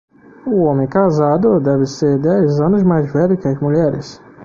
O homem casado deve ser dez anos mais velho que as mulheres.